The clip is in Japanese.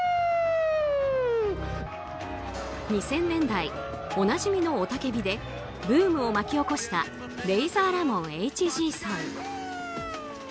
２０００年代おなじみの雄たけびでブームを巻き起こしたレイザーラモンＨＧさん。